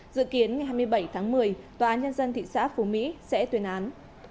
dự kiến ngày hai mươi bảy tháng một mươi tòa án nhân dân thị xã phú mỹ sẽ tuyên án